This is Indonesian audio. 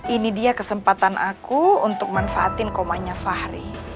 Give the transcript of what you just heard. ini dia kesempatan aku untuk manfaatin komanya fahri